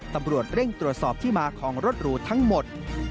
ตำรวจเร่งตรวจสอบที่มาของรถหรูทั้งหมด